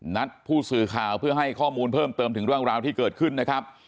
นัดผู้สื่อข่าวเพื่อให้ข้อมูลเพิ่มเติมถึงเรื่องราวที่เกิดขึ้นนะครับ